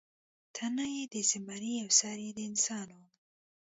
تنه یې د زمري او سر یې د انسان و.